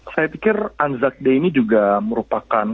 saya pikir anzac day ini juga merupakan